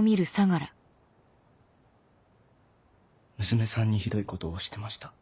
娘さんにひどいことをしてました。